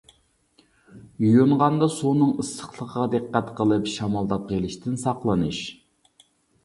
يۇيۇنغاندا سۇنىڭ ئىسسىقلىقىغا دىققەت قىلىپ شامالداپ قېلىشتىن ساقلىنىش.